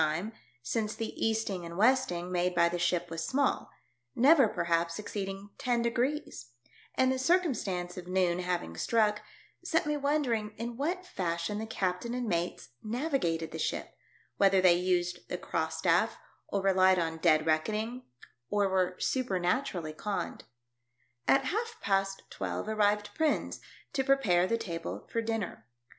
e, since the easting and westing made by the ship was small, never, perhaps, exceeding ten degrees ; and the circumstance of noon having struck set me wondering in what fashion the captain and mates navigated the ship, whether they used the cross staff or relied on dead reckon ing, or were supernaturally conned. At half past twelve arrived Prins, to pre pare the table for dinner.